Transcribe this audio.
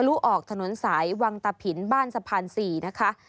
ลุออกถนนสายวังตะผินบ้านสะพาน๔นะคะ